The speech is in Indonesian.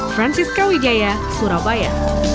francisco widjaya surabaya